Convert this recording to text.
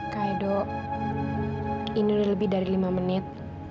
kak edo ini udah lebih dari lima menit